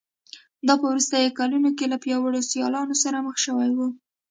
دا په وروستیو کلونو کې له پیاوړو سیالانو سره مخ شوی و